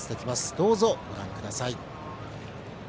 どうぞご覧ください。